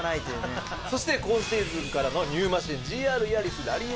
そして今シーズンからのニューマシンＧＲヤリスＲａｌｌｙ１